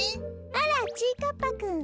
あらちぃかっぱくん。